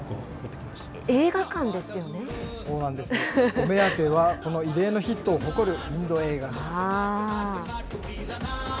お目当てはこの異例のヒットを誇るインド映画です。